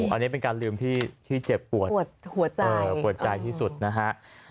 อันนี้เป็นการลืมที่เจ็บปวดปวดหัวใจปวดใจที่สุดนะฮะ